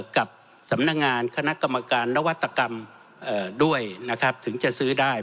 กับสำนักงานคณะกรรมการนวัตกรรมด้วยนะครับถึงจะซื้อได้